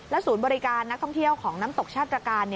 ศูนย์บริการนักท่องเที่ยวของน้ำตกชาตรการ